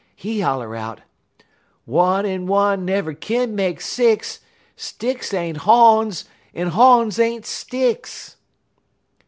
He holler out: "'_One en one never kin make six, Sticks ain't hawns, en hawns ain't sticks!